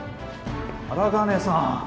荒金さん。